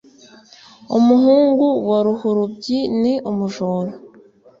umuhungu wa ruhurubyi ni umujura